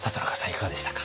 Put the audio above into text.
いかがでしたか？